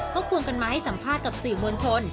เขาควงกันมาให้สัมภาษณ์กับสื่อมวลชน